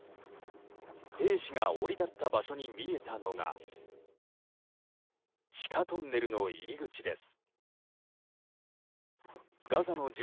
兵士が降り立った場所に見えたのが地下トンネルの入り口です。